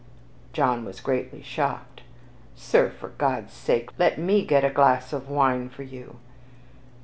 John was greatly shocked. "Sir, for God's sake, let ME get a glass of wine for you."